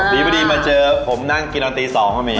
มีพอดีมาเจอผมนั่งกินตอนตี๒ก็มี